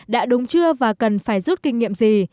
đã đúng chưa và cần phải rút kinh nghiệm gì